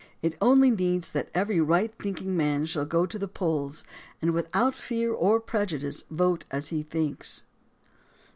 It only needs that every right thinking man shall go to the polls, and without fear or prejudice vote as he thinks.